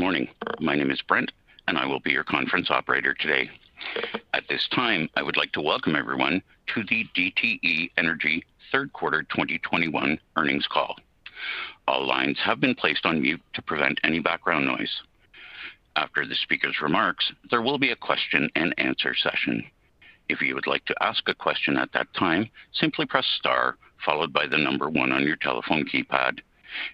Good morning. My name is Brent, and I will be your conference operator today. At this time, I would like to welcome everyone to the DTE Energy Third Quarter 2021 earnings call. All lines have been placed on mute to prevent any background noise. After the speaker's remarks, there will be a question-and-answer session. If you would like to ask a question at that time, simply press star followed by one on your telephone keypad.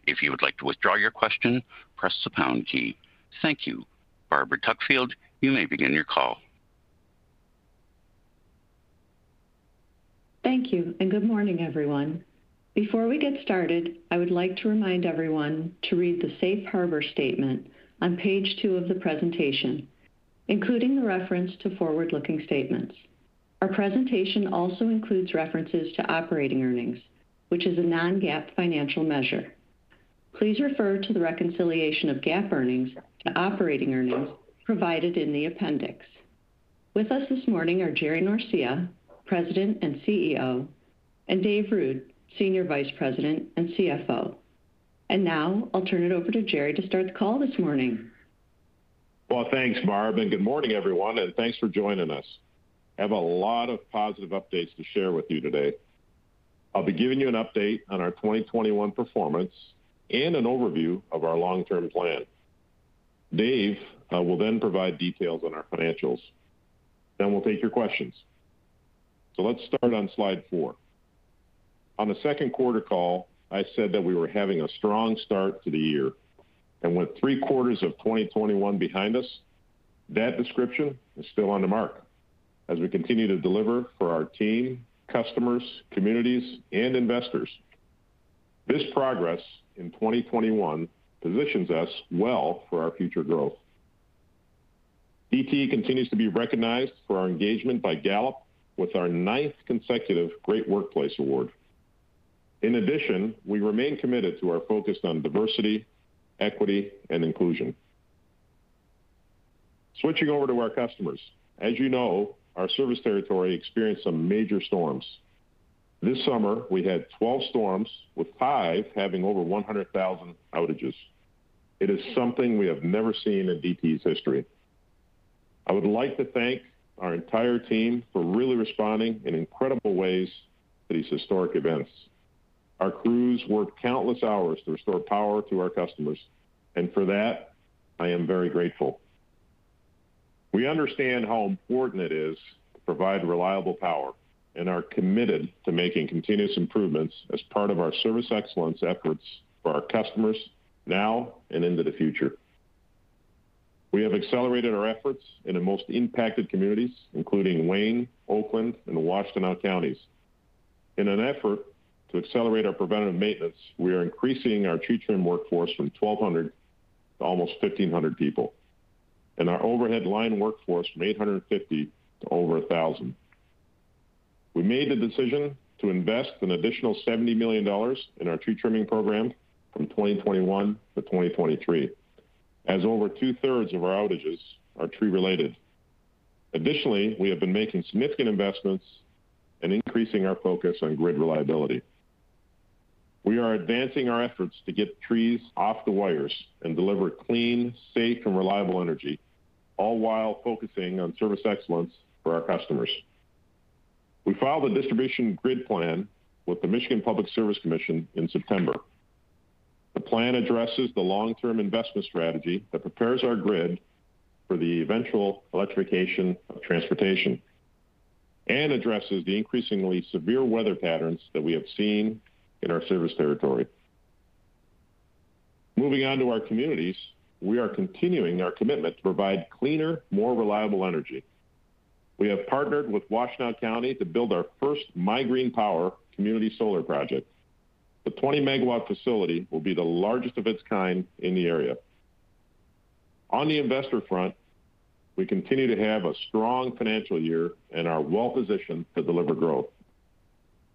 If you would like to withdraw your question, press the pound key. Thank you. Barbara Tuckfield, you may begin your call. Thank you, and good morning, everyone. Before we get started, I would like to remind everyone to read the safe harbor statement on page two of the presentation, including the reference to forward-looking statements. Our presentation also includes references to operating earnings, which is a non-GAAP financial measure. Please refer to the reconciliation of GAAP earnings to operating earnings provided in the appendix. With us this morning are Jerry Norcia, President and Chief Executive Officer, and David Ruud, Senior Vice President and Chief Financial Officer. Now I'll turn it over to Jerry to start the call this morning. Well, thanks, Barbara, and good morning, everyone, and thanks for joining us. I have a lot of positive updates to share with you today. I'll be giving you an update on our 2021 performance and an overview of our long-term plan. Dave will then provide details on our financials. Then we'll take your questions. Let's start on slide four. On the second quarter call, I said that we were having a strong start to the year. With three quarters of 2021 behind us, that description is still on the mark as we continue to deliver for our team, customers, communities, and investors. This progress in 2021 positions us well for our future growth. DTE continues to be recognized for our engagement by Gallup with our ninth consecutive Great Workplace Award. In addition, we remain committed to our focus on diversity, equity, and inclusion. Switching over to our customers. As you know, our service territory experienced some major storms. This summer, we had 12 storms, with five having over 100,000 outages. It is something we have never seen in DTE's history. I would like to thank our entire team for really responding in incredible ways to these historic events. Our crews worked countless hours to restore power to our customers, and for that, I am very grateful. We understand how important it is to provide reliable power and are committed to making continuous improvements as part of our service excellence efforts for our customers now and into the future. We have accelerated our efforts in the most impacted communities, including Wayne, Oakland, and Washtenaw counties. In an effort to accelerate our preventative maintenance, we are increasing our tree trim workforce from 1,200 to almost 1,500 people and our overhead line workforce from 850 to over 1,000. We made the decision to invest an additional $70 million in our tree trimming program from 2021 to 2023, as over 2/3 of our outages are tree-related. Additionally, we have been making significant investments and increasing our focus on grid reliability. We are advancing our efforts to get trees off the wires and deliver clean, safe, and reliable energy, all while focusing on service excellence for our customers. We filed a distribution grid plan with the Michigan Public Service Commission in September. The plan addresses the long-term investment strategy that prepares our grid for the eventual electrification of transportation and addresses the increasingly severe weather patterns that we have seen in our service territory. Moving on to our communities, we are continuing our commitment to provide cleaner, more reliable energy. We have partnered with Washtenaw County to build our first MiGreenPower community solar project. The 20 MW facility will be the largest of its kind in the area. On the investor front, we continue to have a strong financial year and are well-positioned to deliver growth.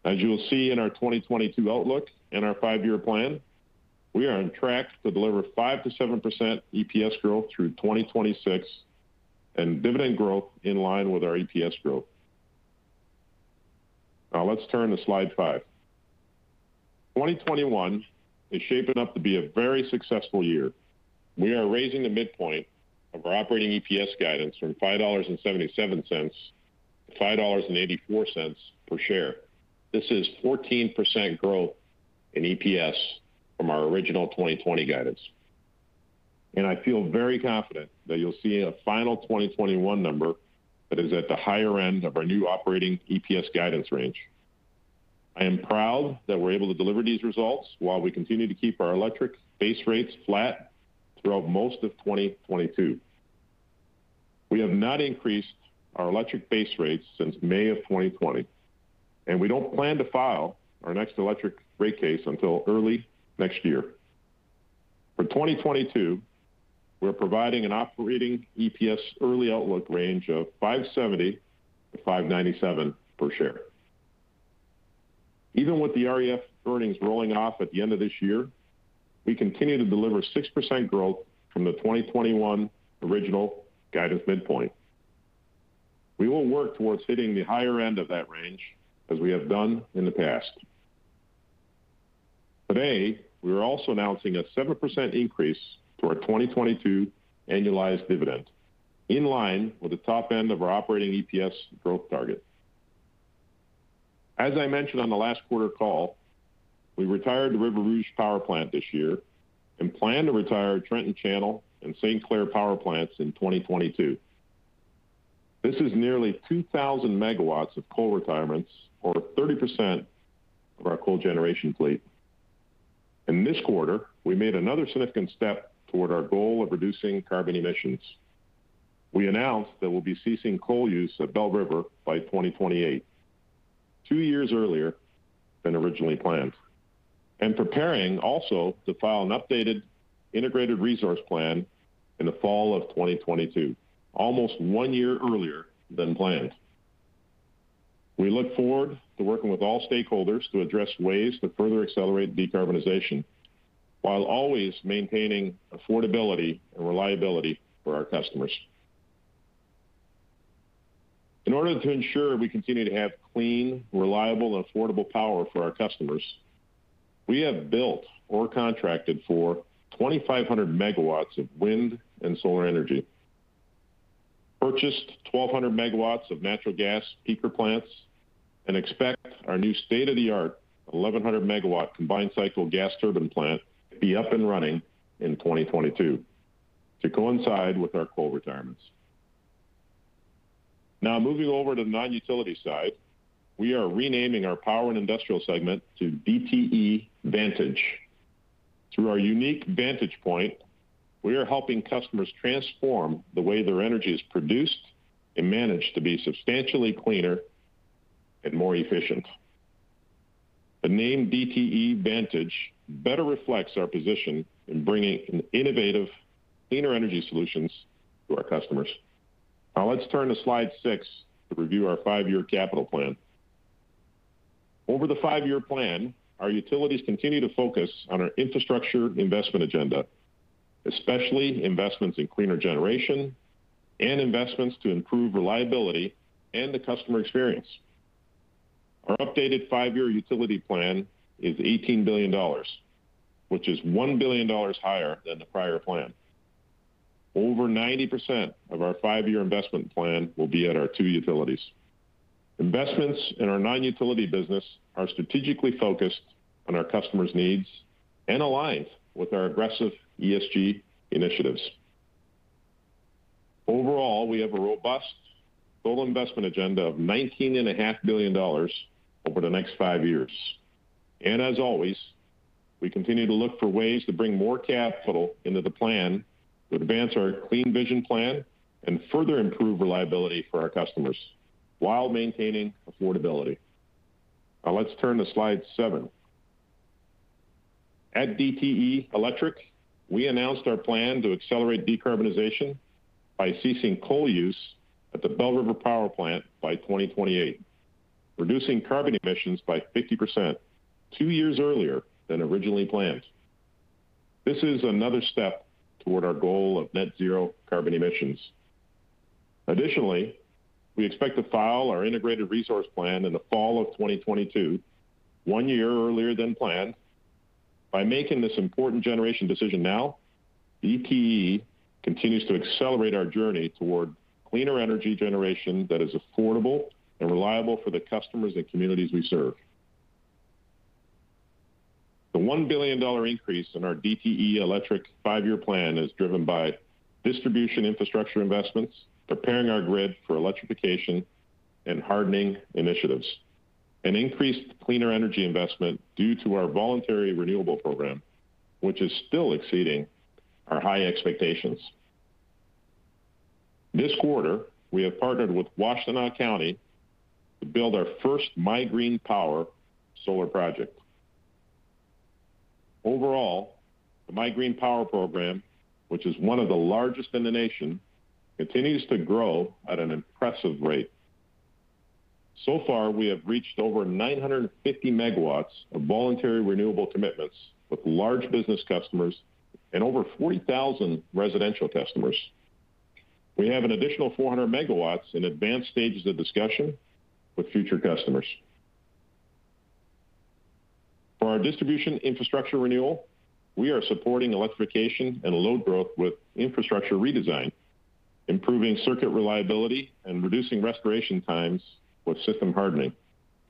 As you will see in our 2022 outlook and our five-year plan, we are on track to deliver 5%-7% EPS growth through 2026 and dividend growth in line with our EPS growth. Now let's turn to slide five. 2021 is shaping up to be a very successful year. We are raising the midpoint of our operating EPS guidance from $5.77 to $5.84 per share. This is 14% growth in EPS from our original 2020 guidance. I feel very confident that you'll see a final 2021 number that is at the higher end of our new operating EPS guidance range. I am proud that we're able to deliver these results while we continue to keep our electric base rates flat throughout most of 2022. We have not increased our electric base rates since May 2020, and we don't plan to file our next electric rate case until early next year. For 2022, we're providing an operating EPS early outlook range of $5.70-$5.97 per share. Even with the REF earnings rolling off at the end of this year, we continue to deliver 6% growth from the 2021 original guidance midpoint. We will work towards hitting the higher end of that range, as we have done in the past. Today, we are also announcing a 7% increase to our 2022 annualized dividend, in line with the top end of our operating EPS growth target. As I mentioned on the last quarter call, we retired the River Rouge Power Plant this year and plan to retire Trenton Channel and St. Clair Power Plants in 2022. This is nearly 2,000 MW of coal retirements or 30% of our coal generation fleet. In this quarter, we made another significant step toward our goal of reducing carbon emissions. We announced that we'll be ceasing coal use at Belle River by 2028, two years earlier than originally planned, and preparing also to file an updated integrated resource plan in the fall of 2022, almost one year earlier than planned. We look forward to working with all stakeholders to address ways to further accelerate decarbonization while always maintaining affordability and reliability for our customers. In order to ensure we continue to have clean, reliable, and affordable power for our customers, we have built or contracted for 2,500 MW of wind and solar energy, purchased 1,200 MW of natural gas peaker plants, and expect our new state-of-the-art 1,100 MW combined cycle gas turbine plant to be up and running in 2022 to coincide with our coal retirements. Now, moving over to the non-utility side, we are renaming our power and industrial segment to DTE Vantage. Through our unique vantage point, we are helping customers transform the way their energy is produced and managed to be substantially cleaner and more efficient. The name DTE Vantage better reflects our position in bringing innovative, cleaner energy solutions to our customers. Now let's turn to slide six to review our five-year capital plan. Over the five-year plan, our utilities continue to focus on our infrastructure investment agenda, especially investments in cleaner generation and investments to improve reliability and the customer experience. Our updated five-year utility plan is $18 billion, which is $1 billion higher than the prior plan. Over 90% of our five-year investment plan will be at our two utilities. Investments in our non-utility business are strategically focused on our customers' needs and aligned with our aggressive ESG initiatives. Overall, we have a robust total investment agenda of $19.5 billion over the next five years. As always, we continue to look for ways to bring more capital into the plan to advance our clean vision plan and further improve reliability for our customers while maintaining affordability. Now let's turn to slide seven. At DTE Electric, we announced our plan to accelerate decarbonization by ceasing coal use at the Belle River Power Plant by 2028, reducing carbon emissions by 50%, two years earlier than originally planned. This is another step toward our goal of net zero carbon emissions. Additionally, we expect to file our integrated resource plan in the fall of 2022, one year earlier than planned. By making this important generation decision now, DTE continues to accelerate our journey toward cleaner energy generation that is affordable and reliable for the customers and communities we serve. The $1 billion increase in our DTE Electric five-year plan is driven by distribution infrastructure investments, preparing our grid for electrification and hardening initiatives, and increased cleaner energy investment due to our voluntary renewable program, which is still exceeding our high expectations. This quarter, we have partnered with Washtenaw County to build our first MIGreenPower solar project. Overall, the MIGreenPower program, which is one of the largest in the nation, continues to grow at an impressive rate. So far, we have reached over 950 MW of voluntary renewable commitments with large business customers and over 40,000 residential customers. We have an additional 400 MW in advanced stages of discussion with future customers. For our distribution infrastructure renewal, we are supporting electrification and load growth with infrastructure redesign, improving circuit reliability and reducing restoration times with system hardening,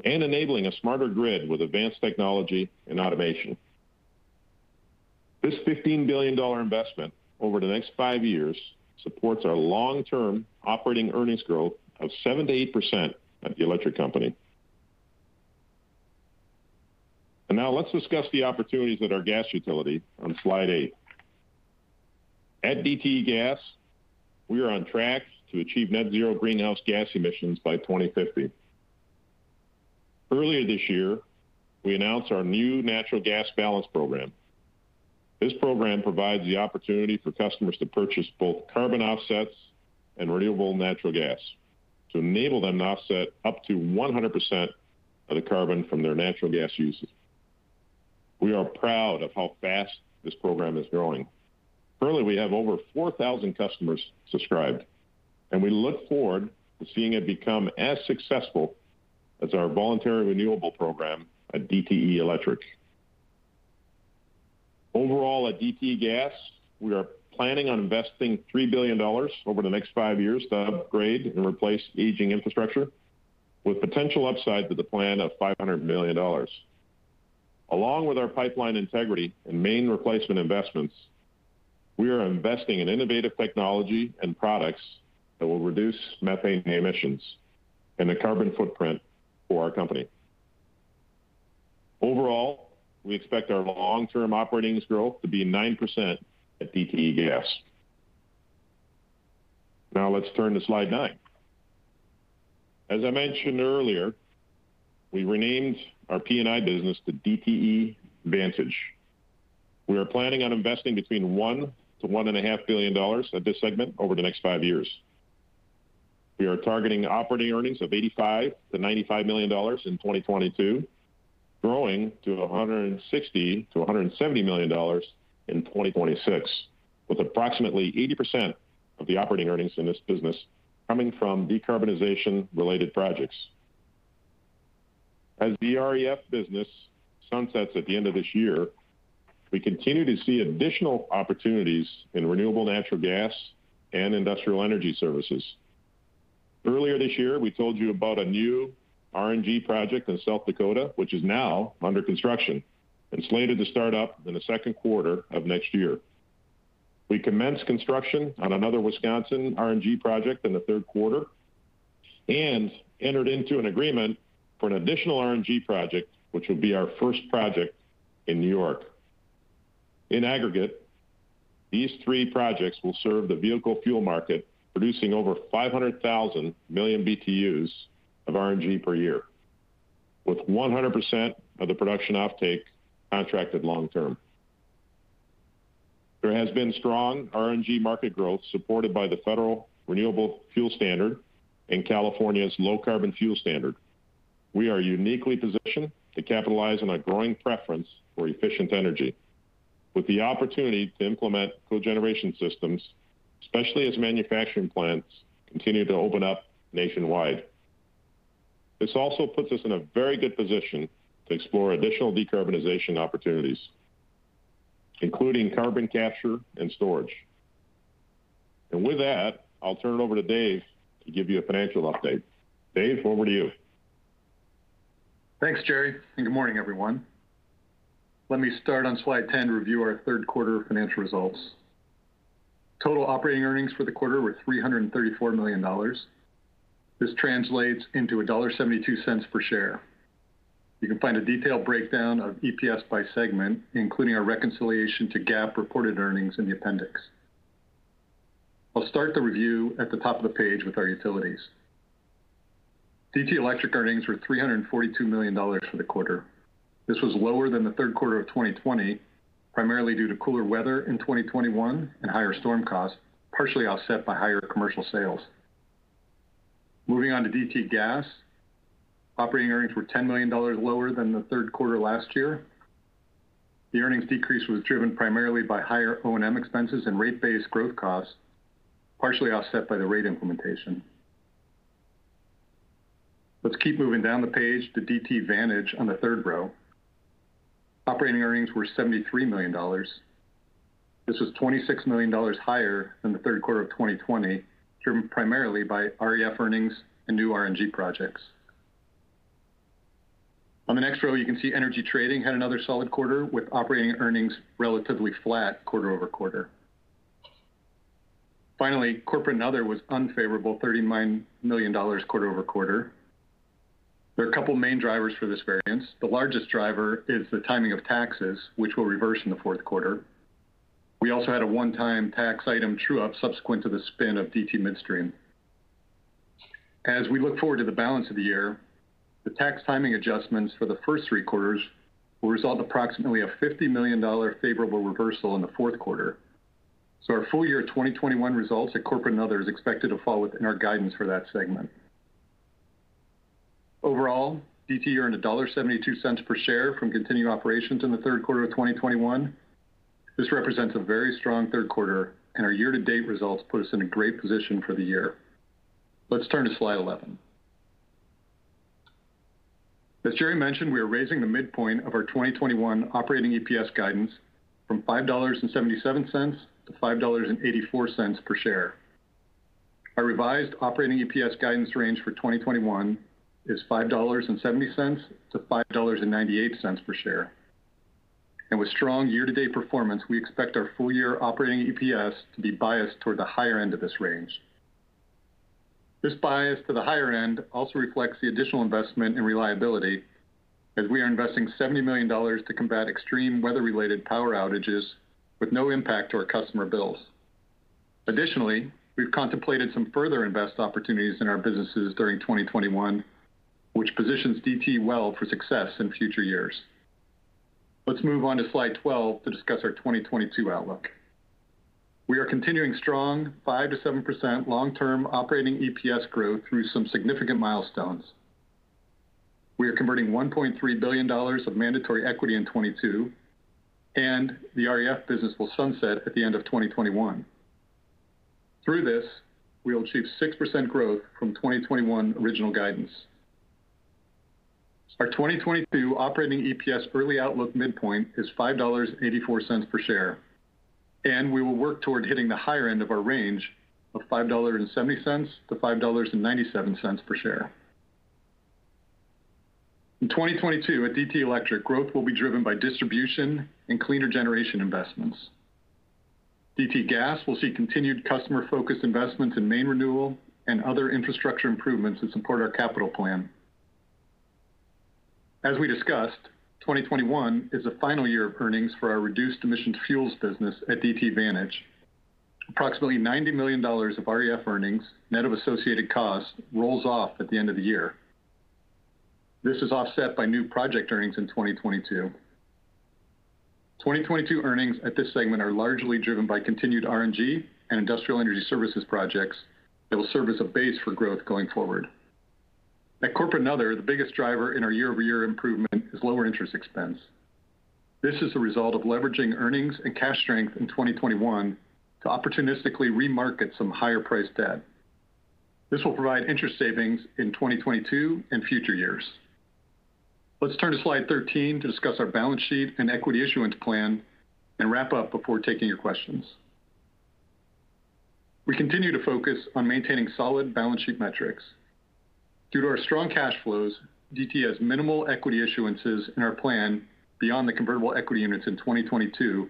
and enabling a smarter grid with advanced technology and automation. This $15 billion investment over the next five years supports our long-term operating earnings growth of 7%-8% at the electric company. Now let's discuss the opportunities at our gas utility on slide eight. At DTE Gas, we are on track to achieve net zero greenhouse gas emissions by 2050. Earlier this year, we announced our new Natural Gas Balance program. This program provides the opportunity for customers to purchase both carbon offsets and renewable natural gas to enable them to offset up to 100% of the carbon from their natural gas usage. We are proud of how fast this program is growing. Currently, we have over 4,000 customers subscribed, and we look forward to seeing it become as successful as our voluntary renewable program at DTE Electric. Overall at DTE Gas, we are planning on investing $3 billion over the next five years to upgrade and replace aging infrastructure with potential upside to the plan of $500 million. Along with our pipeline integrity and main replacement investments, we are investing in innovative technology and products that will reduce methane emissions and the carbon footprint for our company. Overall, we expect our long-term earnings growth to be 9% at DTE Gas. Now let's turn to slide nine. As I mentioned earlier, we renamed our P&I business to DTE Vantage. We are planning on investing between $1-$1.5 billion in this segment over the next five years. We are targeting operating earnings of $85 million-$95 million in 2022, growing to $160 million-$170 million in 2026, with approximately 80% of the operating earnings in this business coming from decarbonization-related projects. As the REF business sunsets at the end of this year, we continue to see additional opportunities in renewable natural gas and industrial energy services. Earlier this year, we told you about a new RNG project in South Dakota, which is now under construction and slated to start up in the second quarter of next year. We commenced construction on another Wisconsin RNG project in the third quarter and entered into an agreement for an additional RNG project, which will be our first project in New York. In aggregate, these three projects will serve the vehicle fuel market, producing over 500,000 million BTUs of RNG per year, with 100% of the production offtake contracted long term. There has been strong RNG market growth supported by the Federal Renewable Fuel Standard and California's Low Carbon Fuel Standard. We are uniquely positioned to capitalize on a growing preference for efficient energy with the opportunity to implement cogeneration systems, especially as manufacturing plants continue to open up nationwide. This also puts us in a very good position to explore additional decarbonization opportunities, including carbon capture and storage. With that, I'll turn it over to Daviid to give you a financial update. David, over to you. Thanks, Jerry, and good morning, everyone. Let me start on slide 10 to review our third quarter financial results. Total operating earnings for the quarter were $334 million. This translates into $1.72 per share. You can find a detailed breakdown of EPS by segment, including our reconciliation to GAAP reported earnings in the appendix. I'll start the review at the top of the page with our utilities. DTE Electric earnings were $342 million for the quarter. This was lower than the third quarter of 2020, primarily due to cooler weather in 2021 and higher storm costs, partially offset by higher commercial sales. Moving on to DTE Gas. Operating earnings were $10 million lower than the third quarter last year. The earnings decrease was driven primarily by higher O&M expenses and rate-based growth costs, partially offset by the rate implementation. Let's keep moving down the page to DTE Vantage on the third row. Operating earnings were $73 million. This was $26 million higher than the third quarter of 2020, driven primarily by REF earnings and new RNG projects. On the next row, you can see DTE Energy Trading had another solid quarter with operating earnings relatively flat quarter-over-quarter. Finally, Corporate and Other was unfavorable $30 million quarter-over-quarter. There are a couple main drivers for this variance. The largest driver is the timing of taxes, which will reverse in the fourth quarter. We also had a one-time tax item true up subsequent to the spin of DTE Midstream. As we look forward to the balance of the year, the tax timing adjustments for the first three quarters will result in approximately a $50 million favorable reversal in the fourth quarter. Our full year 2021 results at Corporate and Other are expected to fall within our guidance for that segment. Overall, DTE earned $1.72 per share from continuing operations in the third quarter of 2021. This represents a very strong third quarter, and our year-to-date results put us in a great position for the year. Let's turn to slide 11. As Jerry mentioned, we are raising the midpoint of our 2021 operating EPS guidance from $5.77 to $5.84 per share. Our revised operating EPS guidance range for 2021 is $5.70 to $5.98 per share. With strong year-to-date performance, we expect our full year operating EPS to be biased toward the higher end of this range. This bias to the higher end also reflects the additional investment in reliability as we are investing $70 million to combat extreme weather-related power outages with no impact to our customer bills. Additionally, we've contemplated some further invest opportunities in our businesses during 2021, which positions DT well for success in future years. Let's move on to slide 12 to discuss our 2022 outlook. We are continuing strong 5%-7% long-term operating EPS growth through some significant milestones. We are converting $1.3 billion of mandatory equity in 2022, and the REF business will sunset at the end of 2021. Through this, we will achieve 6% growth from 2021 original guidance. Our 2022 operating EPS early outlook midpoint is $5.84 per share, and we will work toward hitting the higher end of our range of $5.70-$5.97 per share. In 2022, at DTE Electric, growth will be driven by distribution and cleaner generation investments. DTE Gas will see continued customer-focused investments in main renewal and other infrastructure improvements that support our capital plan. As we discussed, 2021 is the final year of earnings for our reduced emissions fuels business at DTE Vantage. Approximately $90 million of REF earnings, net of associated costs, rolls off at the end of the year. This is offset by new project earnings in 2022. 2022 earnings at this segment are largely driven by continued RNG and industrial energy services projects that will serve as a base for growth going forward. At Corporate and Other, the biggest driver in our year-over-year improvement is lower interest expense. This is the result of leveraging earnings and cash strength in 2021 to opportunistically re-market some higher priced debt. This will provide interest savings in 2022 and future years. Let's turn to slide 13 to discuss our balance sheet and equity issuance plan and wrap up before taking your questions. We continue to focus on maintaining solid balance sheet metrics. Due to our strong cash flows, DTE has minimal equity issuances in our plan beyond the convertible equity units in 2022,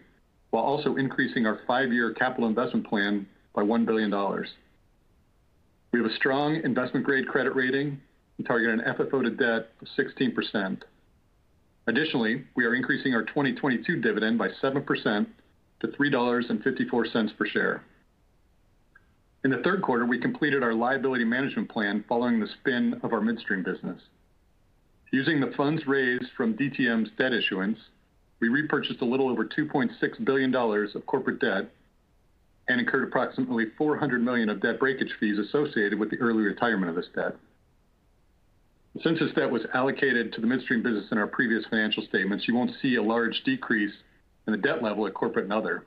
while also increasing our five-year capital investment plan by $1 billion. We have a strong investment-grade credit rating. We target an FFO to debt of 16%. Additionally, we are increasing our 2022 dividend by 7% to $3.54 per share. In the third quarter, we completed our liability management plan following the spin of our midstream business. Using the funds raised from DTM's debt issuance, we repurchased a little over $2.6 billion of corporate debt and incurred approximately $400 million of debt breakage fees associated with the early retirement of this debt. Since this debt was allocated to the midstream business in our previous financial statements, you won't see a large decrease in the debt level at Corporate and Other.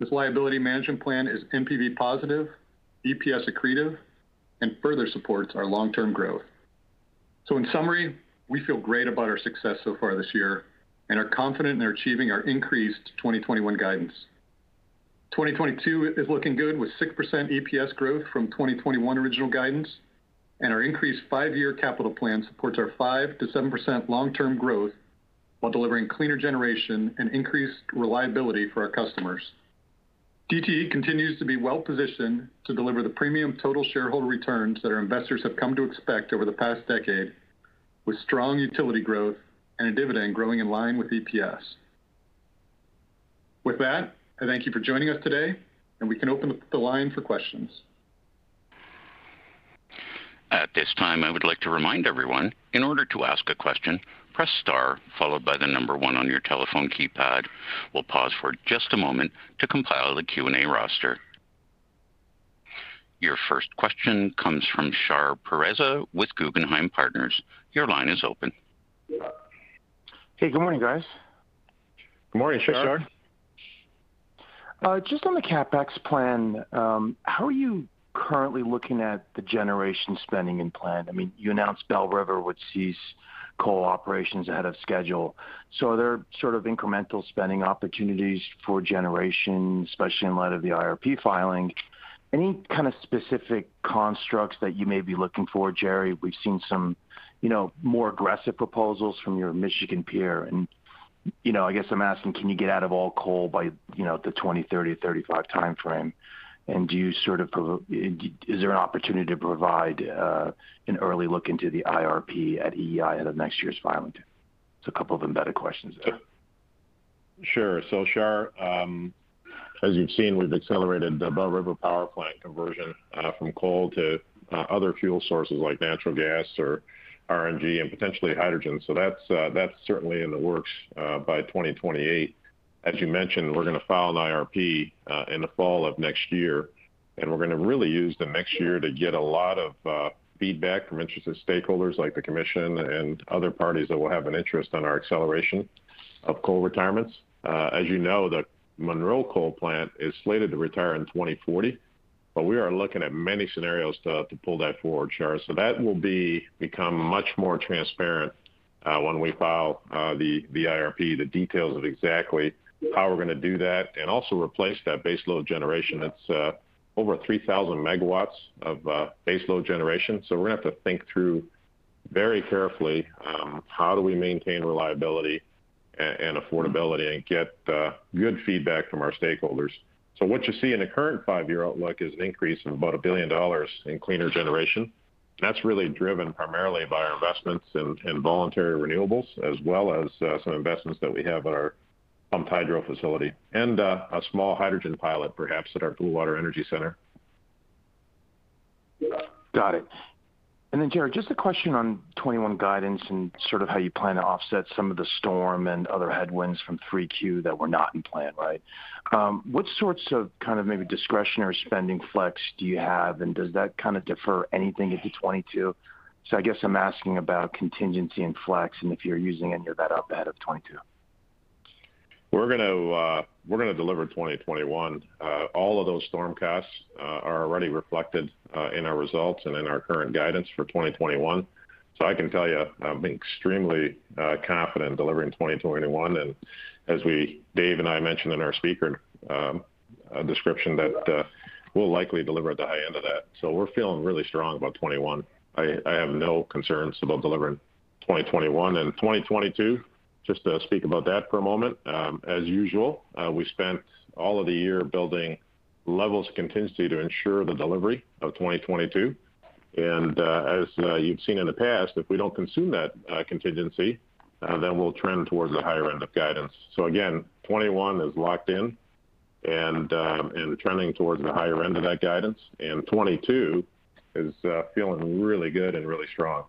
This liability management plan is NPV positive, EPS accretive, and further supports our long-term growth. In summary, we feel great about our success so far this year and are confident in achieving our increased 2021 guidance. 2022 is looking good with 6% EPS growth from 2021 original guidance, and our increased five-year capital plan supports our 5%-7% long-term growth while delivering cleaner generation and increased reliability for our customers. DTE continues to be well-positioned to deliver the premium total shareholder returns that our investors have come to expect over the past decade, with strong utility growth and a dividend growing in line with EPS. With that, I thank you for joining us today, and we can open up the line for questions. At this time, I would like to remind everyone, in order to ask a question, press star followed by the number one on your telephone keypad. We'll pause for just a moment to compile the Q&A roster. Your first question comes from Shahriar Pourreza with Guggenheim Partners, your line is open. Hey, good morning, guys? Good morning, Shahriah. Good morning, Shahriah. Just on the CapEx plan, how are you currently looking at the generation spending in plan? I mean, you announced Belle River would cease coal operations ahead of schedule. Are there sort of incremental spending opportunities for generation, especially in light of the IRP filing? Any kind of specific constructs that you may be looking for, Jerry? We've seen some, you know, more aggressive proposals from your Michigan peer and, you know, I guess I'm asking, can you get out of all coal by, you know, the 2030-2035 timeframe? Is there an opportunity to provide an early look into the IRP at EEI ahead of next year's filing? It's a couple of embedded questions there. Sure. Shahriah, as you've seen, we've accelerated the Belle River Power Plant conversion from coal to other fuel sources like natural gas or RNG and potentially hydrogen. That's certainly in the works by 2028. As you mentioned, we're gonna file an IRP in the fall of next year, and we're gonna really use the next year to get a lot of feedback from interested stakeholders like the commission and other parties that will have an interest on our acceleration of coal retirements. As you know, the Monroe Coal Plant is slated to retire in 2040, but we are looking at many scenarios to pull that forward, Shahriah. That will become much more transparent when we file the IRP, the details of exactly how we're gonna do that and also replace that base load generation. That's over 3,000 MW of base load generation. We're gonna have to think through very carefully how do we maintain reliability and affordability and get good feedback from our stakeholders. What you see in the current five-year outlook is an increase of about $1 billion in cleaner generation. That's really driven primarily by our investments in voluntary renewables, as well as some investments that we have at our pumped hydro facility and a small hydrogen pilot, perhaps at our Blue Water Energy Center. Got it. Jerry, just a question on 2021 guidance and sort of how you plan to offset some of the storm and other headwinds from 3Q that were not in plan, right? What sorts of kind of maybe discretionary spending flex do you have, and does that kind of defer anything into 2022? I guess I'm asking about contingency and flex, and if you're using any of that up ahead of 2022. We're gonna deliver 2021. All of those storm costs are already reflected in our results and in our current guidance for 2021. I can tell you, I'm extremely confident delivering 2021. David and I mentioned in our speaker description that we'll likely deliver at the high end of that. We're feeling really strong about 2021. I have no concerns about delivering 2021. 2022, just to speak about that for a moment, as usual, we spent all of the year building levels of contingency to ensure the delivery of 2022. You've seen in the past, if we don't consume that contingency, then we'll trend towards the higher end of guidance. 2021 is locked in. Trending towards the higher end of that guidance. 2022 is feeling really good and really strong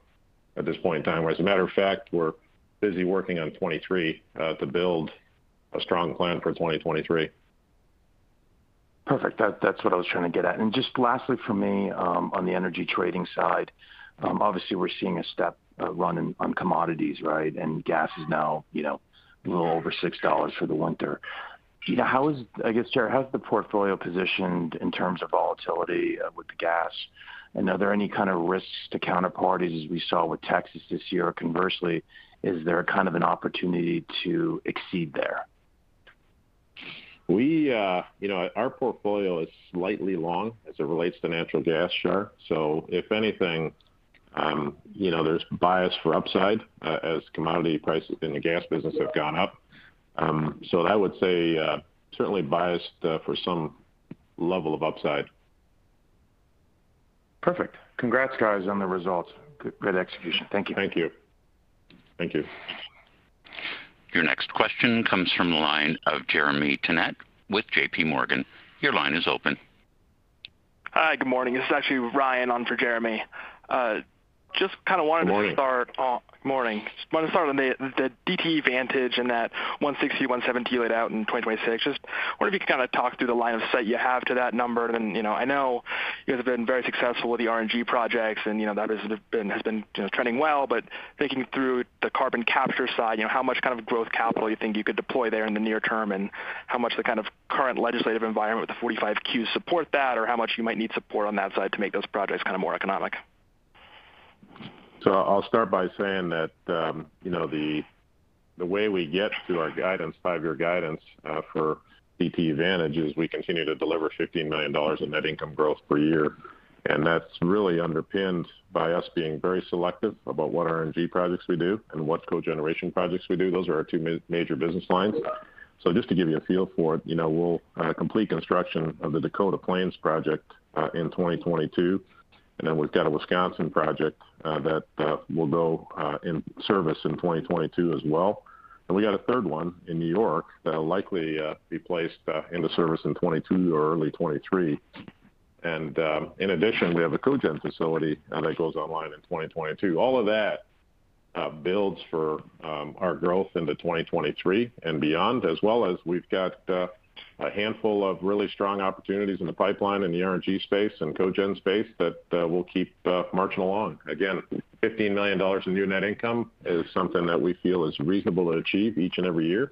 at this point in time. As a matter of fact, we're busy working on 2023 to build a strong plan for 2023. Perfect. That's what I was trying to get at. Just lastly from me, on the energy trading side, obviously we're seeing a run-up in commodities, right? Gas is now, you know, a little over $6 for the winter. You know, I guess, Jerry, how is the portfolio positioned in terms of volatility with the gas? Are there any kind of risks to counterparties as we saw with Texas this year? Conversely, is there kind of an opportunity to exceed there? We, you know, our portfolio is slightly long as it relates to natural gas, sure. If anything, you know, there's bias for upside as commodity prices in the gas business have gone up. I would say certainly biased for some level of upside. Perfect. Congrats guys, on the results. Good, great execution. Thank you. Thank you. Thank you. Your next question comes from the line of Jeremy Tonet with JPMorgan. Your line is open. Hi. Good morning. This is actually Ryan on for Jeremy. Just kind of wanted to- Morning Morning. Just wanted to start on the DTE Vantage and that $160 million-$170 million laid out in 2026. Just wonder if you could kind of talk through the line of sight you have to that number. You know, I know you guys have been very successful with the RNG projects and, you know, that has been you know, trending well. Thinking through the carbon capture side, you know, how much kind of growth capital you think you could deploy there in the near term, and how much the kind of current legislative environment with the 45Q support that, or how much you might need support on that side to make those projects kind of more economic? I'll start by saying that, you know, the way we get to our guidance, five-year guidance, for DTE Vantage is we continue to deliver $15 million in net income growth per year. That's really underpinned by us being very selective about what RNG projects we do and what cogeneration projects we do. Those are our two major business lines. Just to give you a feel for it, you know, we'll complete construction of the Dakota Plains project in 2022, and then we've got a Wisconsin project that will go in service in 2022 as well. We got a third one in New York that'll likely be placed into service in 2022 or early 2023. In addition, we have a cogen facility that goes online in 2022. All of that builds for our growth into 2023 and beyond, as well as we've got a handful of really strong opportunities in the pipeline in the RNG space and cogen space that will keep marching along. Again, $15 million in new net income is something that we feel is reasonable to achieve each and every year,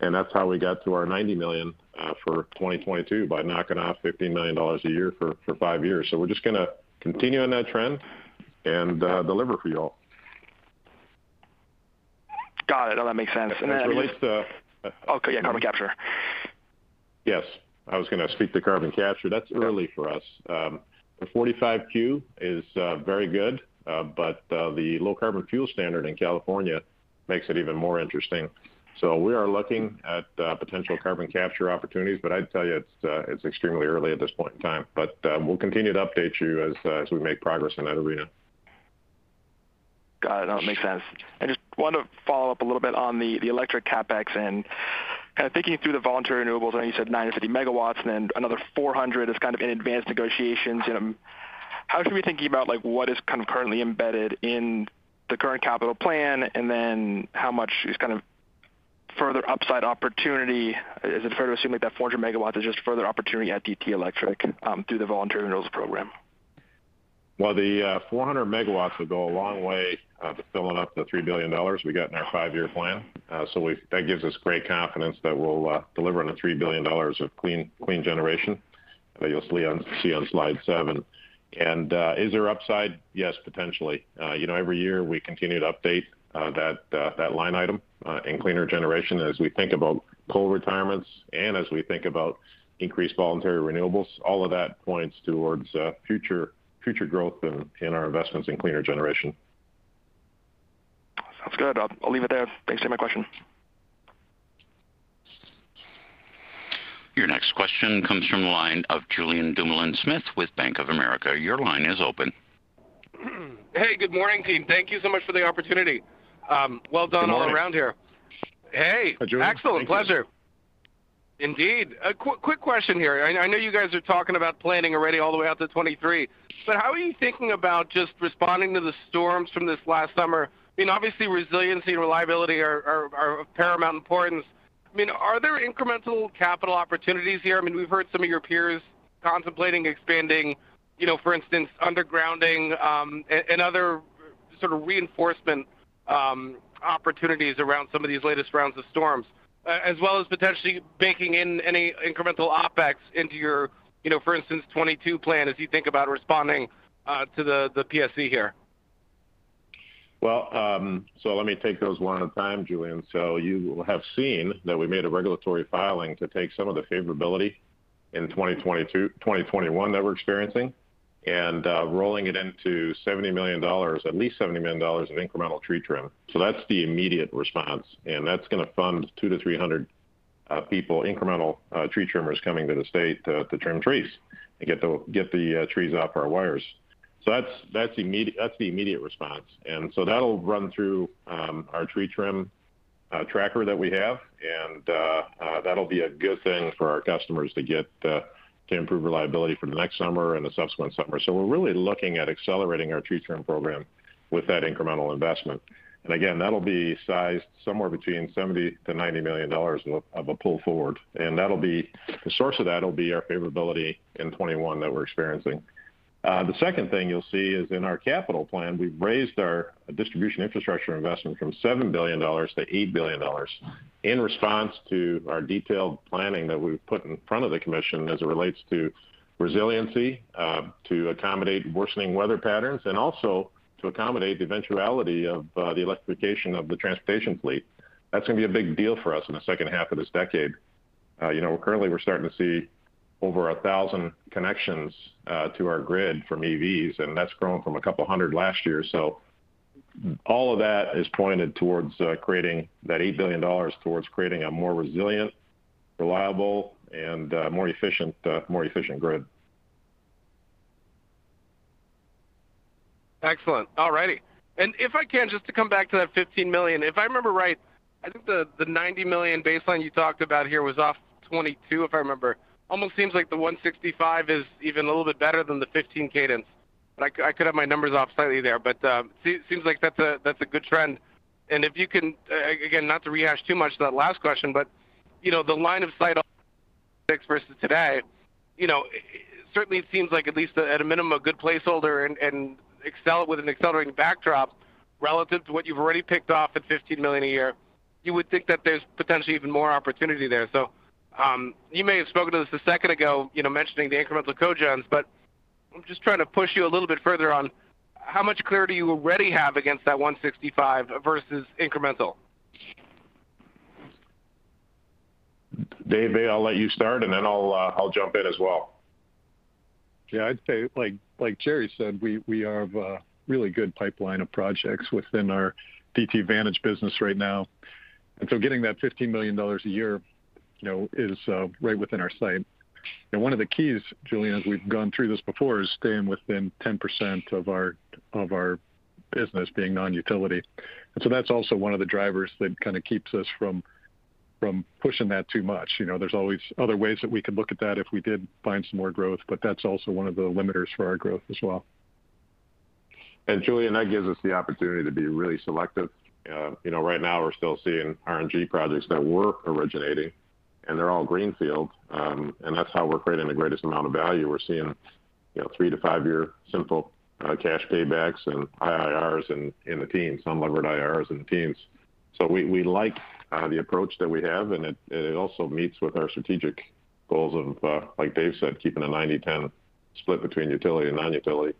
and that's how we got to our $90 million for 2022, by knocking off $15 million a year for five years. We're just gonna continue on that trend and deliver for you all. Got it. No, that makes sense. Then- As it relates to- Okay. Yeah, carbon capture. Yes. I was gonna speak to carbon capture. That's early for us. The 45Q is very good, but the Low Carbon Fuel Standard in California makes it even more interesting. We are looking at potential carbon capture opportunities, but I'd tell you it's extremely early at this point in time. We'll continue to update you as we make progress in that arena. Got it. No, it makes sense. I just wanted to follow up a little bit on the electric CapEx and kind of thinking through the voluntary renewables. I know you said 950 MW and then another 400 MW is kind of in advanced negotiations. How should we be thinking about like what is kind of currently embedded in the current capital plan, and then how much is kind of further upside opportunity? Is it fair to assume that that 400 MW is just further opportunity at DTE Electric through the voluntary renewables program? Well, the 400 MW will go a long way to filling up the $3 billion we got in our five-year plan. That gives us great confidence that we'll deliver on the $3 billion of clean generation that you'll see on slide seven. Is there upside? Yes, potentially. You know, every year we continue to update that line item in cleaner generation as we think about coal retirements and as we think about increased voluntary renewables. All of that points towards future growth in our investments in cleaner generation. Sounds good. I'll leave it there. Thanks for taking my question. Your next question comes from the line of Julien Dumoulin-Smith with Bank of America., your line is open. Hey, good morning, team? Thank you so much for the opportunity. Well done. Good morning. all around here. Hey. Hi, Julien. Thank you. Excellent. Pleasure. Indeed. A quick question here. I know you guys are talking about planning already all the way out to 2023, but how are you thinking about just responding to the storms from this last summer? I mean, obviously resiliency and reliability are of paramount importance. I mean, are there incremental capital opportunities here? I mean, we've heard some of your peers contemplating expanding, you know, for instance, undergrounding and other sort of reinforcement opportunities around some of these latest rounds of storms, as well as potentially baking in any incremental OpEx into your, you know, for instance, 2022 plan as you think about responding to the MPSC here. Well, let me take those one at a time, Julien. You have seen that we made a regulatory filing to take some of the favorability in 2021 that we're experiencing and rolling it into $70 million, at least $70 million of incremental tree trim. That's the immediate response, and that's gonna fund 200 people to 300 people, incremental tree trimmers coming to the state to trim trees and get the trees off our wires. That's immediate, the immediate response. That'll run through our tree trim tracker that we have, and that'll be a good thing for our customers to improve reliability for the next summer and the subsequent summer. We're really looking at accelerating our tree trim program with that incremental investment. Again, that'll be sized somewhere between $70 million-$90 million of a pull forward. That'll be the source of that will be our favorability in 2021 that we're experiencing. The second thing you'll see is in our capital plan, we've raised our distribution infrastructure investment from $7 billion-$8 billion in response to our detailed planning that we've put in front of the commission as it relates to resiliency, to accommodate worsening weather patterns and also to accommodate the eventuality of the electrification of the transportation fleet. That's going to be a big deal for us in the second half of this decade. You know, currently we're starting to see over 1,000 connections to our grid from EVs, and that's grown from a couple of hundred last year. All of that is pointed towards creating that $8 billion towards creating a more resilient, reliable and more efficient grid. Excellent. All righty. If I can, just to come back to that $15 million, if I remember right, I think the $90 million baseline you talked about here was off 2022, if I remember. Almost seems like the 165 is even a little bit better than the 15 cadence. I could have my numbers off slightly there, but see, it seems like that's a good trend. If you can, again, not to rehash too much that last question, but you know, the line of sight versus today, you know, certainly it seems like at least at a minimum, a good placeholder and excel with an accelerating backdrop relative to what you've already picked off at $15 million a year. You would think that there's potentially even more opportunity there. You may have spoken to this a second ago, you know, mentioning the incremental cogens, but I'm just trying to push you a little bit further on how much clarity you already have against that 165 versus incremental. David, I'll let you start, and then I'll jump in as well. Yeah. I'd say like Jerry said, we have a really good pipeline of projects within our DTE Vantage business right now. Getting that $15 million a year, you know, is right within our sight. One of the keys, Julien, as we've gone through this before, is staying within 10% of our business being non-utility. That's also one of the drivers that kind of keeps us from pushing that too much. You know, there's always other ways that we could look at that if we did find some more growth, but that's also one of the limiters for our growth as well. Julian, that gives us the opportunity to be really selective. You know, right now we're still seeing RNG projects that we're originating, and they're all greenfield, and that's how we're creating the greatest amount of value. We're seeing, you know, three to five year simple cash paybacks and IRRs in the teens, unlevered IRRs in the teens. We like the approach that we have, and it also meets with our strategic goals of, like David said, keeping a 90/10 split between utility and non-utility.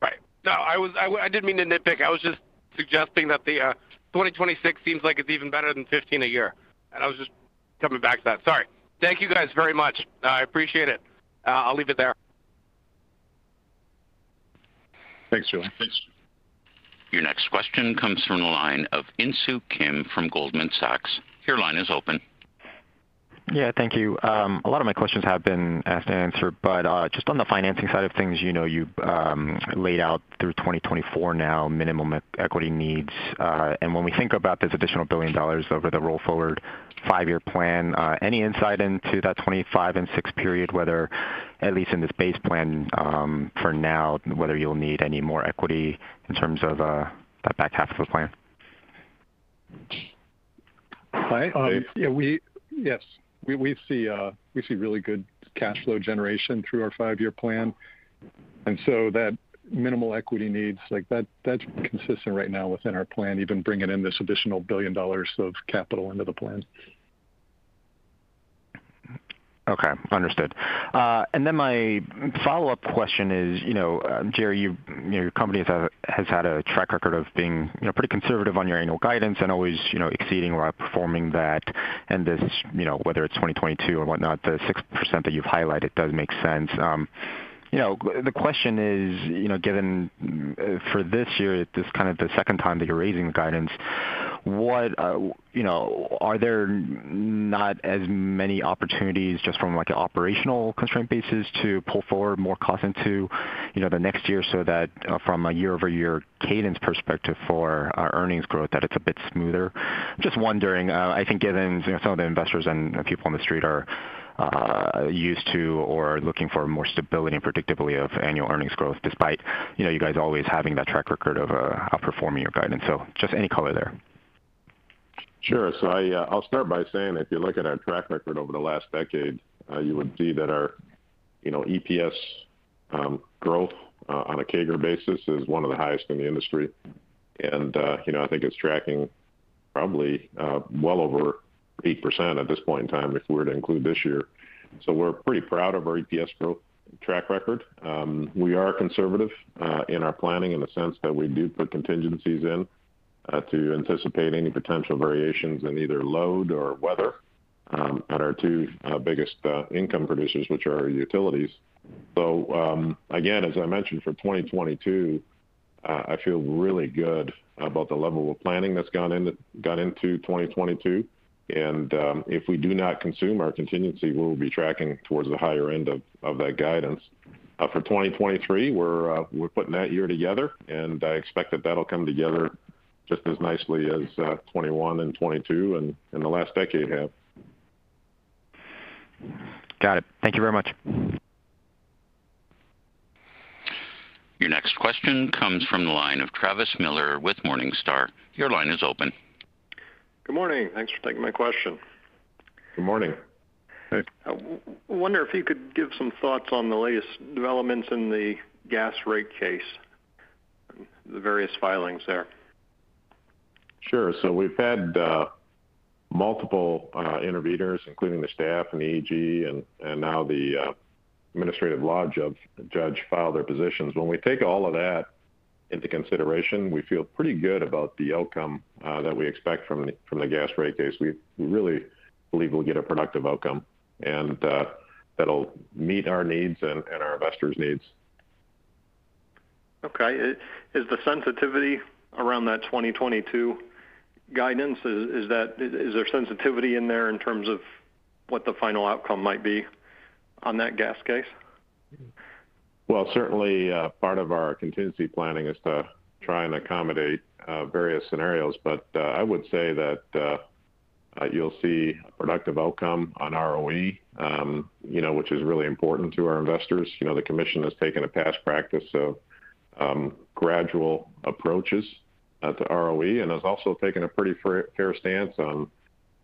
Right. No, I didn't mean to nitpick. I was just suggesting that the 2026 seems like it's even better than $15 million a year. I was just coming back to that. Sorry. Thank you guys very much. I appreciate it. I'll leave it there. Thanks, Julien. Thanks. Your next question comes from the line of Insoo Kim from Goldman Sachs, your line is open. Yeah, thank you. A lot of my questions have been asked and answered, but just on the financing side of things, you know, you've laid out through 2024 now minimum equity needs. When we think about this additional $1 billion over the roll forward five-year plan, any insight into that 2025 and 2026 period, whether at least in this base plan, for now, whether you'll need any more equity in terms of that back half of the plan? I- David. Yes, we see really good cash flow generation through our five-year plan. That minimal equity needs like that's consistent right now within our plan, even bringing in this additional $1 billion of capital into the plan. Okay. Understood. My follow-up question is, you know, Jerry, your company has had a track record of being, you know, pretty conservative on your annual guidance and always, you know, exceeding or outperforming that. This, you know, whether it's 2022 or whatnot, the 6% that you've highlighted does make sense. You know, the question is, you know, given for this year, this kind of the second time that you're raising the guidance, what, you know, are there not as many opportunities just from like an operational constraint basis to pull forward more cost into, you know, the next year so that from a year-over-year cadence perspective for our earnings growth, that it's a bit smoother? Just wondering, I think given some of the investors and people on the street are used to or looking for more stability and predictability of annual earnings growth despite, you know, you guys always having that track record of outperforming your guidance. So just any color there. Sure. I'll start by saying if you look at our track record over the last decade, you would see that our, you know, EPS growth on a CAGR basis is one of the highest in the industry. You know, I think it's tracking probably well over 8% at this point in time if we were to include this year. We're pretty proud of our EPS track record. We are conservative in our planning in the sense that we do put contingencies in to anticipate any potential variations in either load or weather at our two biggest income producers, which are our utilities. Again, as I mentioned for 2022, I feel really good about the level of planning that's gone into 2022, and if we do not consume our contingency, we'll be tracking towards the higher end of that guidance. For 2023, we're putting that year together, and I expect that that'll come together just as nicely as 2021 and 2022 and the last decade have. Got it. Thank you very much. Your next question comes from the line of Travis Miller with Morningstar, your line is open. Good morning. Thanks for taking my question. Good morning. I wonder if you could give some thoughts on the latest developments in the gas rate case, the various filings there? Sure. We've had multiple interveners, including the staff and AG and now the administrative law judge filed their positions. When we take all of that into consideration, we feel pretty good about the outcome that we expect from the gas rate case. We really believe we'll get a productive outcome, and that'll meet our needs and our investors' needs. Okay. Is the sensitivity around that 2022 guidance, is there sensitivity in there in terms of what the final outcome might be on that gas case? Well, certainly, part of our contingency planning is to try and accommodate various scenarios, but I would say that you'll see a productive outcome on ROE, you know, which is really important to our investors. You know, the commission has taken a past practice of gradual approaches to ROE, and has also taken a pretty fair stance on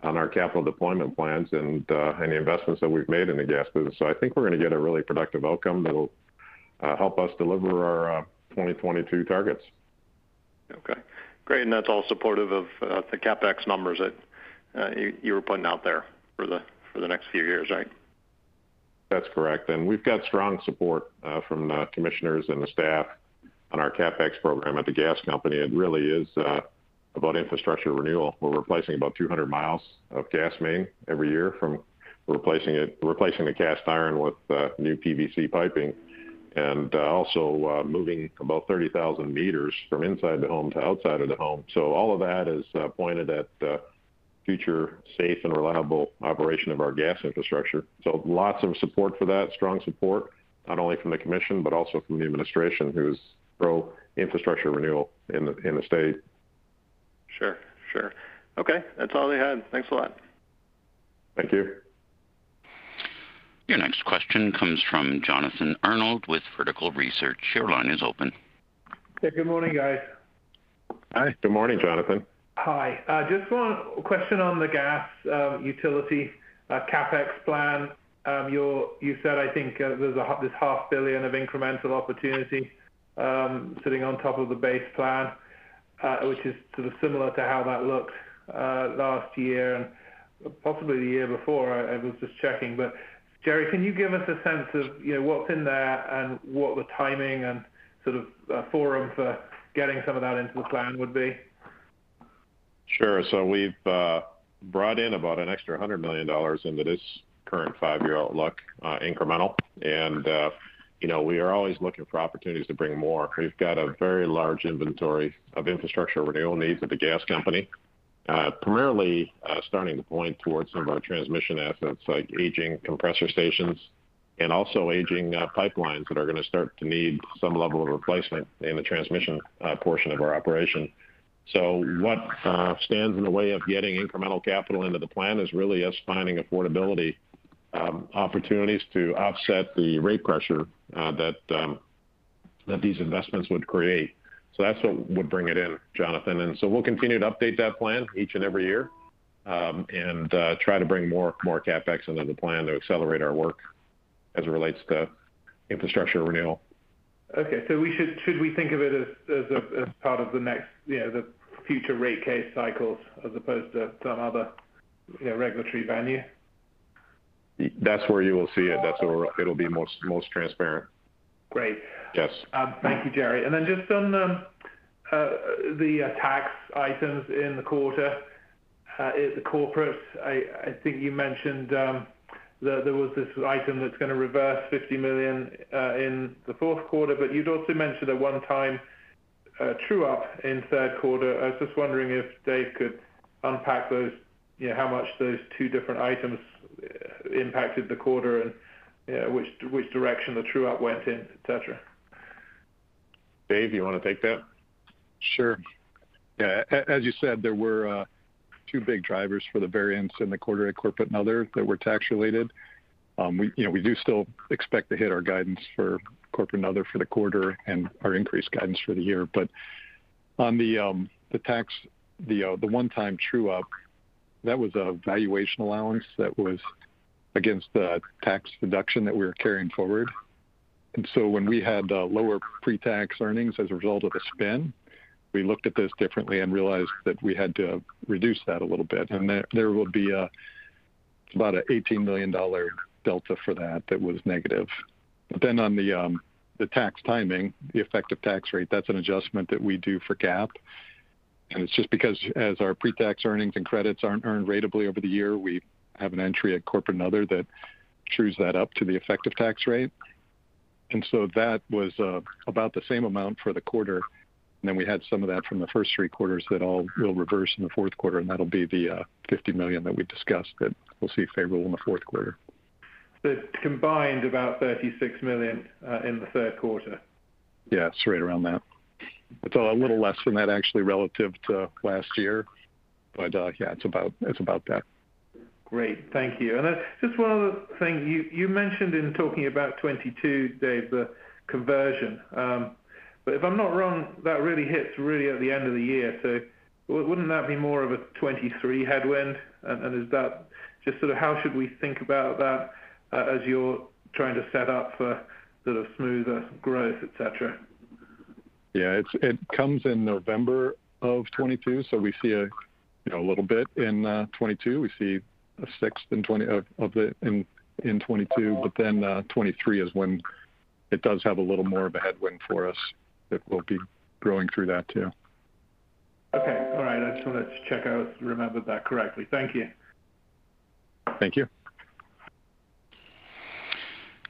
our capital deployment plans and any investments that we've made in the gas business. I think we're gonna get a really productive outcome that'll help us deliver our 2022 targets. Okay. Great. That's all supportive of the CapEx numbers that you were putting out there for the next few years, right? That's correct. We've got strong support from the commissioners and the staff on our CapEx program at the gas company. It really is about infrastructure renewal. We're replacing about 200 mi of gas main every year replacing the cast iron with new PE piping and also moving about 30,000 m from inside the home to outside of the home. All of that is pointed at the future safe and reliable operation of our gas infrastructure. Lots of support for that, strong support, not only from the commission, but also from the administration whose pro-infrastructure renewal in the state. Sure. Sure. Okay. That's all I had. Thanks a lot. Thank you. Your next question comes from Jonathan Arnold with Vertical Research, your line is open. Yeah, good morning, guys. Hi. Good morning, Jonathan. Hi. Just one question on the gas utility CapEx plan. You said, I think, there's half a billion of incremental opportunity sitting on top of the base plan, which is sort of similar to how that looked last year and possibly the year before. I was just checking. Jerry, can you give us a sense of, you know, what's in there and what the timing and sort of forum for getting some of that into the plan would be? Sure. We've brought in about an extra $100 million into this current five-year outlook, incremental. You know, we are always looking for opportunities to bring more. We've got a very large inventory of infrastructure renewal needs at the gas company, primarily starting to point towards some of our transmission assets like aging compressor stations and also aging pipelines that are gonna start to need some level of replacement in the transmission portion of our operation. What stands in the way of getting incremental capital into the plan is really us finding affordability opportunities to offset the rate pressure that these investments would create. That's what would bring it in, Jonathan. We'll continue to update that plan each and every year, and try to bring more CapEx into the plan to accelerate our work as it relates to infrastructure renewal. Okay. Should we think of it as a part of the next, you know, the future rate case cycles as opposed to some other, you know, regulatory venue? That's where you will see it. That's where it'll be most transparent. Great. Yes. Thank you, Jerry. Then just on the tax items in the quarter, is the corporate. I think you mentioned, there was this item that's gonna reverse $50 million in the fourth quarter, but you'd also mentioned a one-time true-up in third quarter. I was just wondering if Dave could unpack those, you know, how much those two different items impacted the quarter and which direction the true-up went in, et cetera. David, you wanna take that? Sure. Yeah. As you said, there were two big drivers for the variance in the quarter at corporate and other that were tax-related. We, you know, we do still expect to hit our guidance for corporate and other for the quarter and our increased guidance for the year. On the one-time true-up, that was a valuation allowance that was against the tax reduction that we were carrying forward. When we had lower pre-tax earnings as a result of the spin, we looked at this differently and realized that we had to reduce that a little bit. There will be about $18 million delta for that that was negative. Then on the tax timing, the effective tax rate, that's an adjustment that we do for GAAP. It's just because as our pre-tax earnings and credits aren't earned ratably over the year, we have an entry at corporate and other that trues that up to the effective tax rate. That was about the same amount for the quarter. Then we had some of that from the first three quarters that all will reverse in the fourth quarter, and that'll be the $50 million that we discussed that we'll see favorable in the fourth quarter. Combined, about $36 million in the third quarter? Yeah, it's right around that. It's a little less than that actually relative to last year. Yeah, it's about that. Great. Thank you. Just one other thing. You mentioned in talking about 2022, Dave, the conversion. But if I'm not wrong, that really hits at the end of the year. Wouldn't that be more of a 2023 headwind? And is that just sort of how should we think about that as you're trying to set up for sort of smoother growth, et cetera? Yeah. It comes in November of 2022, so we see, you know, a little bit in 2022. We see 6% in 2022. 2023 is when it does have a little more of a headwind for us, that we'll be growing through that too. Okay. All right. I just wanted to check I remembered that correctly. Thank you. Thank you.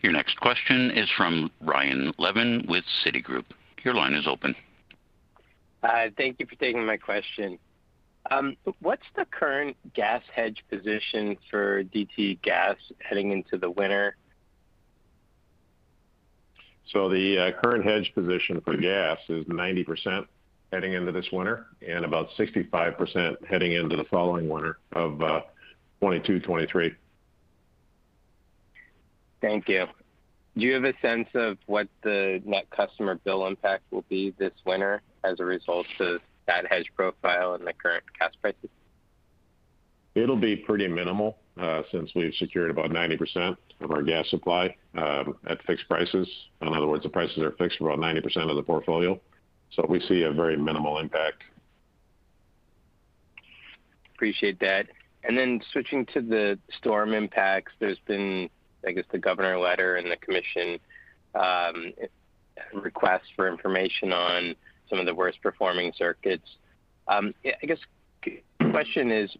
Your next question is from Ryan Levine with Citigroup, your line is open. Thank you for taking my question. What's the current gas hedge position for DTE Gas heading into the winter? The current hedge position for gas is 90% heading into this winter and about 65% heading into the following winter of 2022-2023. Thank you. Do you have a sense of what the net customer bill impact will be this winter as a result of that hedge profile and the current gas prices? It'll be pretty minimal, since we've secured about 90% of our gas supply, at fixed prices. In other words, the prices are fixed for about 90% of the portfolio. We see a very minimal impact. Appreciate that. Switching to the storm impacts, there's been, I guess, the governor letter and the commission request for information on some of the worst performing circuits. Yeah, I guess the question is,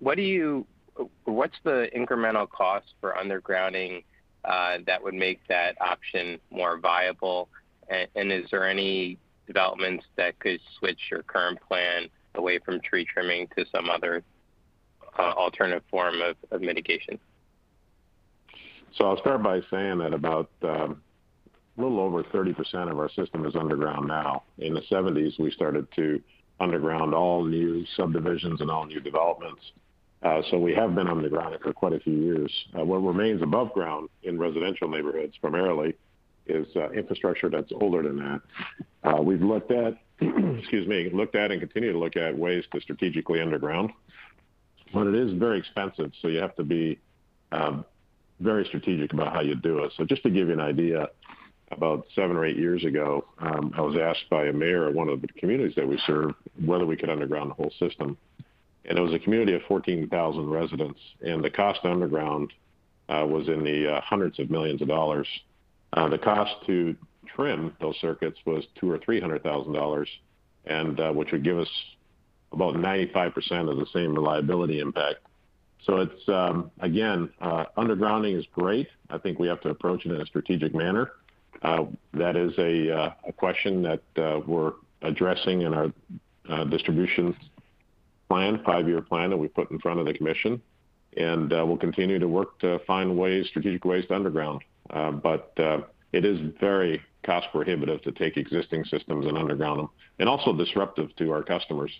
what's the incremental cost for undergrounding that would make that option more viable? And is there any developments that could switch your current plan away from tree trimming to some other alternative form of mitigation? I'll start by saying that a little over 30% of our system is underground now. In the 1970s, we started to underground all new subdivisions and all new developments. We have been underground for quite a few years. What remains above ground, in residential neighborhoods primarily, is infrastructure that's older than that. We've looked at and continue to look at ways to strategically underground, but it is very expensive, so you have to be very strategic about how you do it. Just to give you an idea, about seven or eight years ago, I was asked by a mayor of one of the communities that we serve whether we could underground the whole system. It was a community of 14,000 residents, and the cost to underground was in the hundreds of millions of dollars. The cost to trim those circuits was $200,000-$300,000, and which would give us about 95% of the same reliability impact. It's again undergrounding is great. I think we have to approach it in a strategic manner. That is a question that we're addressing in our distribution plan, five-year plan that we put in front of the commission. We'll continue to work to find ways, strategic ways to underground. It is very cost prohibitive to take existing systems and underground them, and also disruptive to our customers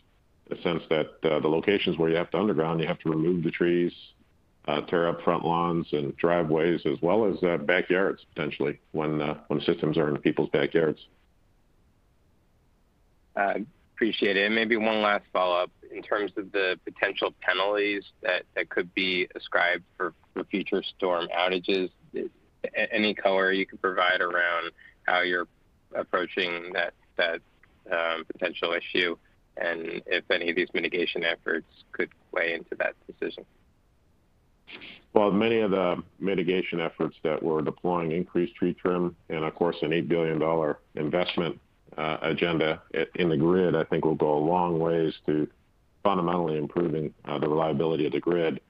in the sense that the locations where you have to underground, you have to remove the trees, tear up front lawns and driveways, as well as backyards, potentially, when systems are in people's backyards. I appreciate it. Maybe one last follow-up. In terms of the potential penalties that could be ascribed for future storm outages, any color you could provide around how you're approaching that potential issue and if any of these mitigation efforts could play into that decision? Well, many of the mitigation efforts that we're deploying increase tree trim and, of course, a $8 billion investment agenda in the grid, I think will go a long ways to fundamentally improving the reliability of the grid.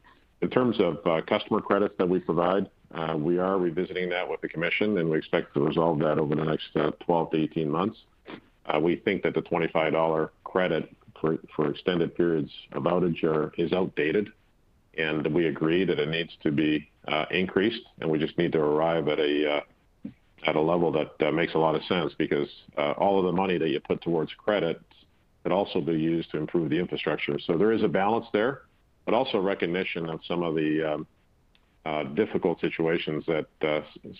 In terms of customer credits that we provide, we are revisiting that with the commission, and we expect to resolve that over the next 12-18 months. We think that the $25 credit for extended periods of outage is outdated, and we agree that it needs to be increased, and we just need to arrive at a level that makes a lot of sense. Because all of the money that you put towards credits could also be used to improve the infrastructure. There is a balance there, but also a recognition of some of the difficult situations that,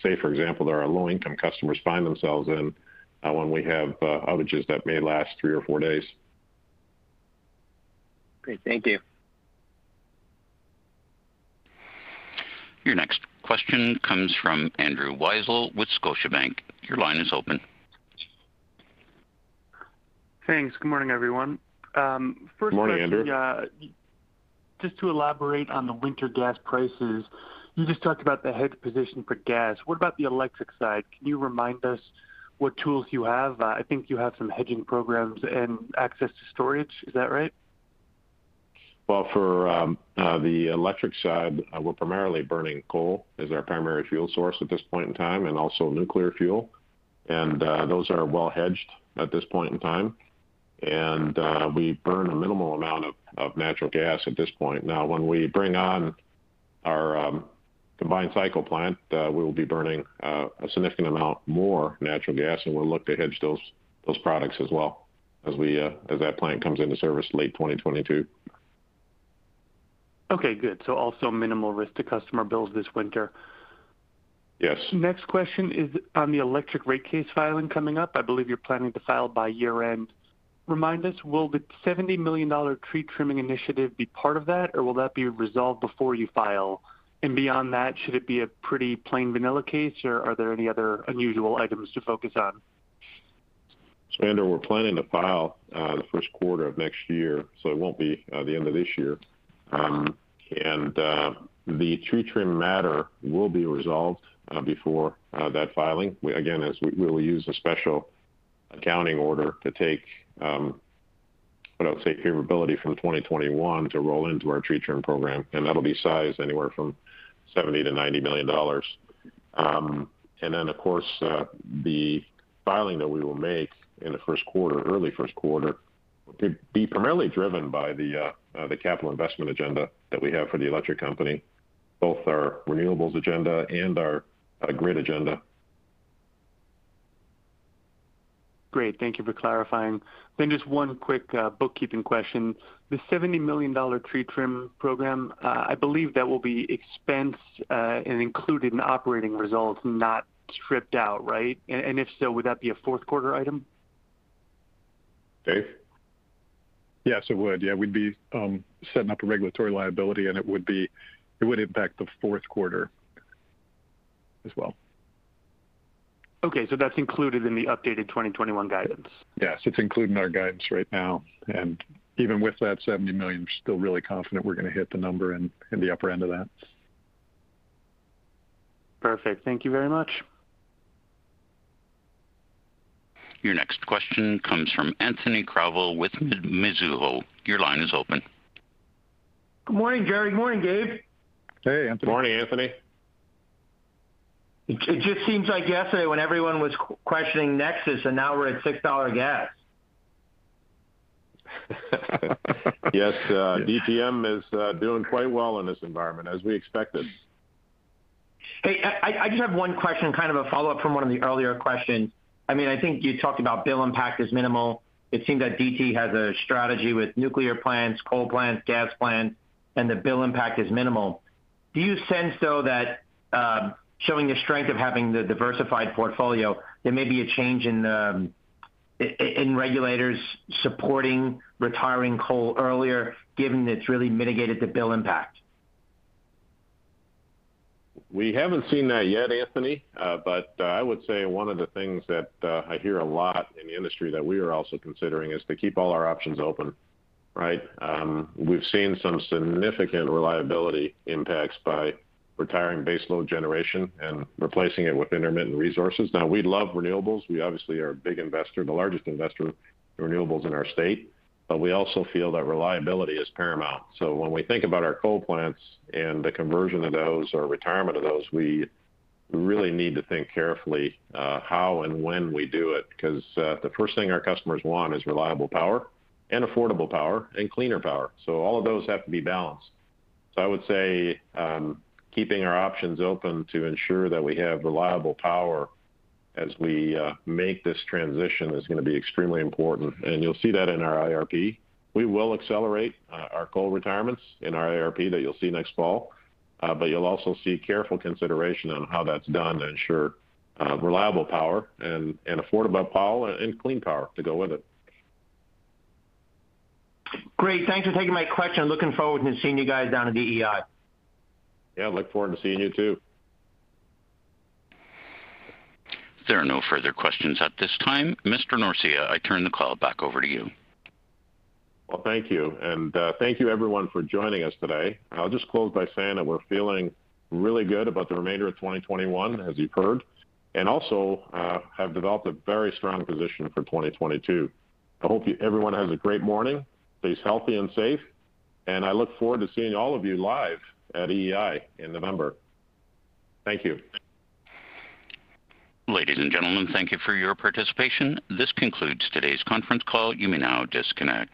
say, for example, that our low-income customers find themselves in, when we have outages that may last three or four days. Great. Thank you. Your next question comes from Andrew Weisel with Scotiabank, your line is open. Thanks. Good morning, everyone? First question. Good morning, Andrew. Just to elaborate on the winter gas prices, you just talked about the hedge position for gas. What about the electric side? Can you remind us what tools you have? I think you have some hedging programs and access to storage. Is that right? Well, for the electric side, we're primarily burning coal as our primary fuel source at this point in time, and also nuclear fuel. Those are well hedged at this point in time. We burn a minimal amount of natural gas at this point. Now, when we bring on our combined cycle plant, we will be burning a significant amount more natural gas, and we'll look to hedge those products as well as we, as that plant comes into service late 2022. Okay, good. Also minimal risk to customer bills this winter. Yes. Next question is on the electric rate case filing coming up. I believe you're planning to file by year-end. Remind us, will the $70 million tree trimming initiative be part of that, or will that be resolved before you file? Beyond that, should it be a pretty plain vanilla case, or are there any other unusual items to focus on? Andrew, we're planning to file the first quarter of next year, so it won't be the end of this year. The tree trim matter will be resolved before that filing. We again, as we'll use a special accounting order to take what I would say, liability from 2021 to roll into our tree trim program, and that'll be sized anywhere from $70 million-$90 million. Then of course, the filing that we will make in the first quarter, early first quarter, could be primarily driven by the capital investment agenda that we have for the electric company, both our renewables agenda and our grid agenda. Great. Thank you for clarifying. Then just one quick, bookkeeping question. The $70 million tree trim program, I believe that will be expensed, and included in operating results, not stripped out, right? If so, would that be a fourth quarter item? David? Yes, it would. Yeah, we'd be setting up a regulatory liability, and it would impact the fourth quarter as well. That's included in the updated 2021 guidance. Yes. It's included in our guidance right now. Even with that $70 million, we're still really confident we're gonna hit the number in the upper end of that. Perfect. Thank you very much. Your next question comes from Anthony Crowdell with Mizuho, your line is open. Good morning, Jerry? Morning, David? Hey, Anthony. Morning, Anthony. It just seems like yesterday when everyone was questioning NEXUS, and now we're at $6 gas. Yes. DTMidstream is doing quite well in this environment, as we expected. Hey, I just have one question, kind of a follow-up from one of the earlier questions. I mean, I think you talked about bill impact is minimal. It seems that DT has a strategy with nuclear plants, coal plants, gas plants, and the bill impact is minimal. Do you sense, though, that showing the strength of having the diversified portfolio, there may be a change in regulators supporting retiring coal earlier, given that it's really mitigated the bill impact? We haven't seen that yet, Anthony. But I would say one of the things that I hear a lot in the industry that we are also considering is to keep all our options open, right? We've seen some significant reliability impacts by retiring baseload generation and replacing it with intermittent resources. Now, we love renewables. We obviously are a big investor, the largest investor in renewables in our state. But we also feel that reliability is paramount. So when we think about our coal plants and the conversion of those or retirement of those, we really need to think carefully how and when we do it, because the first thing our customers want is reliable power and affordable power and cleaner power. So all of those have to be balanced. I would say, keeping our options open to ensure that we have reliable power as we make this transition is gonna be extremely important. You'll see that in our IRP. We will accelerate our coal retirements in our IRP that you'll see next fall. You'll also see careful consideration on how that's done to ensure reliable power and affordable power and clean power to go with it. Great. Thanks for taking my question. Looking forward to seeing you guys down at the EEI. Yeah. I look forward to seeing you too. There are no further questions at this time. Mr. Norcia, I turn the call back over to you. Well, thank you. Thank you everyone for joining us today. I'll just close by saying that we're feeling really good about the remainder of 2021, as you've heard, and also have developed a very strong position for 2022. I hope everyone has a great morning, stays healthy and safe, and I look forward to seeing all of you live at EEI in November. Thank you. Ladies and gentlemen, thank you for your participation. This concludes today's conference call, you may now disconnect.